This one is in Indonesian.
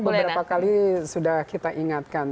beberapa kali sudah kita ingatkan